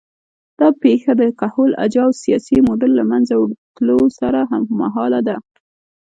دا پېښه د کهول اجاو سیاسي موډل له منځه تلو سره هممهاله ده